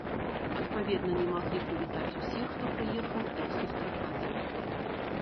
Адпаведна не маглі прывітаць усіх, хто прыехаў іх сустракаць.